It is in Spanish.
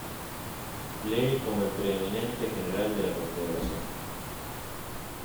Lee como el preeminente general de la Confederación.